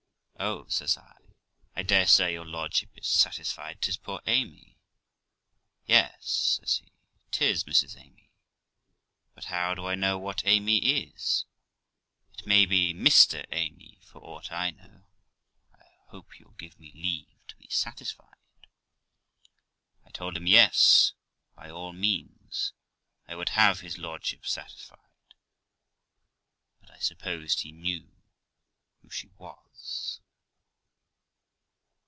'Oh', says I, 'I dare say your lordship is satisfied, 'tis poor Amy.' 'Yes', says he, ''tis Mrs Amy ; but how do I know what Amy is? It may be Mr Amy for aught I know; I hope you'll give me leave to be satisfied.' I told him, Yes, by all means, I would have his lordship satisfied; but I supposed he knew who she was.